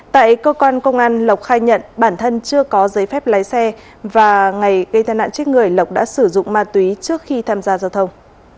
tại cơ quan công an lộc khai nhận bản thân chưa có giấy phép lái xe và ngày gây thai nạn chết người lộc đã sử dụng ma túy trước khi tham gia giao thông